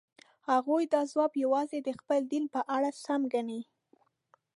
هغوی دا ځواب یوازې د خپل دین په اړه سم ګڼي.